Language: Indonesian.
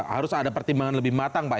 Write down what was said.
harus ada pertimbangan yang lebih matang